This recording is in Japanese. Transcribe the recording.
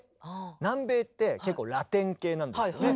南米って結構ラテン系なんですよね。